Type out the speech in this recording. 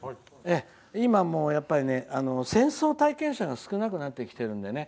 今もう戦争体験者が少なくなってきているんでね